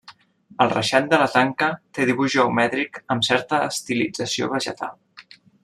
El reixat de la tanca té dibuix geomètric amb certa estilització vegetal.